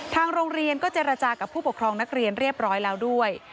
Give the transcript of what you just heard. ทางโรงเรียนก็เจรจากับผู้ปกครองนักเรียนเรียบร้อยแล้วด้วย